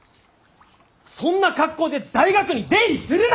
そんな格好で大学に出入りするな！